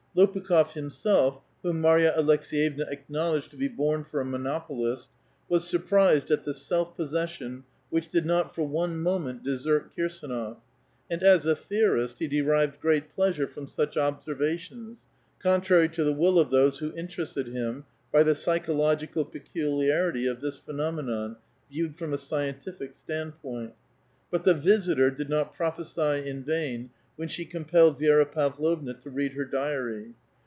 Lopukh6f himself, whom Marya Aleks63'evna acknowledged to be born for a monopolist, was surprised at the self possession which did not for one moment desert Kirsdnof , and as a theorist, he derived great pleasure from such observations, contrary to the will of those who interested him by the psychological peculi arity of this phenomenon viewed from a scientific stand point. But the visitor" did not prophecy in vain when she compelled Vi^ra Pavlovna to read her diary.